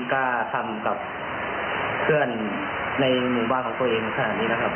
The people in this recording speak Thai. ก็ทำกับเพื่อนในหมู่บ้านของตัวเองขนาดนี้นะครับ